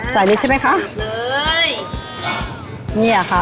ใส่นิดใช่ไหมคะนี่ค่ะ